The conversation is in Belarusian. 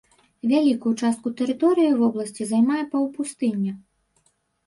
Вялікую частку тэрыторыі вобласці займае паўпустыня.